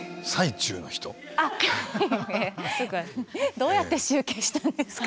どうやって集計したんですか。